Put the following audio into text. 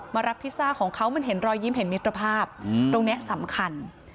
มารับพิซซ่าของเขามันเห็นรอยยิ้มเห็นมิตรภาพตรงนี้สำคัญ